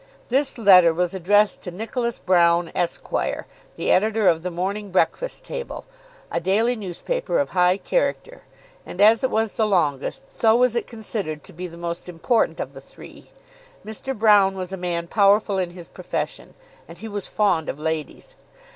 This letter was addressed to Nicholas Broune, Esq., the editor of the "Morning Breakfast Table," a daily newspaper of high character; and, as it was the longest, so was it considered to be the most important of the three. Mr. Broune was a man powerful in his profession, and he was fond of ladies.